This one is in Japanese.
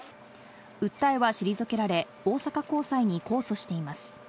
訴えは退けられ、大阪高裁に控訴しています。